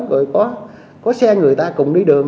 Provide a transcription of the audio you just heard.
rồi có xe người ta cùng đi đường